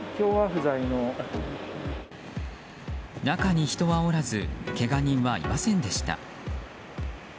中に人はおらずけが人はいませんでした。